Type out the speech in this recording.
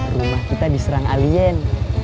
rumah kita diserang alien